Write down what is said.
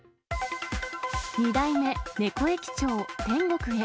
２代目、猫駅長天国へ。